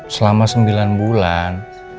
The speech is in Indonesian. selama sembilan bulan